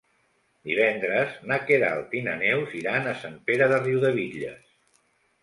Divendres na Queralt i na Neus iran a Sant Pere de Riudebitlles.